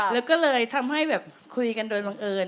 แล้วก็เลยทำให้แบบคุยกันโดยบังเอิญ